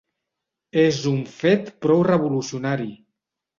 És un fet prou revolucionari.